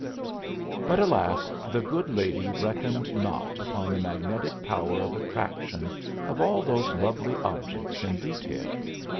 But, alas, the good lady reckoned not upon the magnetic power of attraction of all those lovely objects in detail.